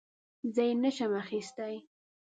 زه یې نه شم اخیستی .